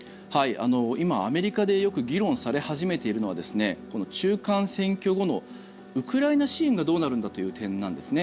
今、アメリカでよく議論され始めているのは中間選挙後のウクライナ支援がどうなるんだという点なんです。